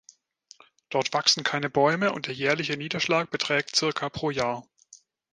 Dort wachsen keine Bäume und der jährliche Niederschlag beträgt ca. pro Jahr.